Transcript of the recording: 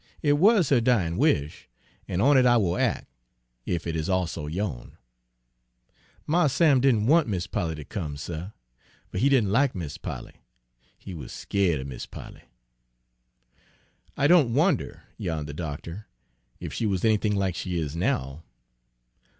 It wuz her dyin' wish, an' on it I will ac', ef it is also yo'n.' "Mars Sam didn' want Mis' Polly ter come, suh; fur he didn' like Mis' Polly. He wuz skeered er Miss Polly." "I don't wonder," yawned the doctor, "if she was anything like she is now."